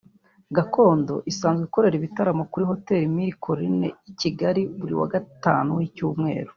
Gakondo isanzwe ikorera ibitaramo kuri Hotel de Mille Collines i Kigali buri wa Gatanu w’Icyumweru